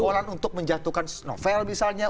kebolan untuk menjatuhkan novel misalnya